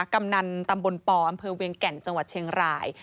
กำนันตำบลปอำเภอเวียงแก่นจังหวัดเชียงราย